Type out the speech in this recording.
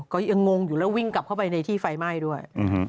ก็ยังงงอยู่แล้ววิ่งกลับเข้าไปในที่ไฟไหม้ด้วย